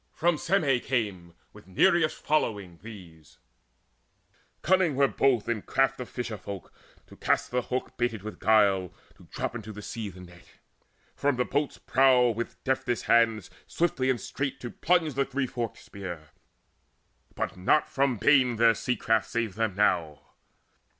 From Syme came With Nireus' following these: cunning were both In craft of fisher folk to east the hook Baited with guile, to drop into the sea The net, from the boat's prow with deftest hands Swiftly and straight to plunge the three forked spear. But not from bane their sea craft saved them now.